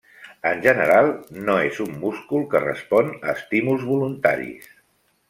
En general, no és un múscul que respon a estímuls voluntaris.